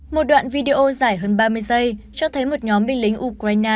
một đoạn video dài hơn ba mươi giây cho thấy một nhóm binh lính ukraine